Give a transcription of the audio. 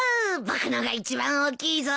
僕のが一番大きいぞ。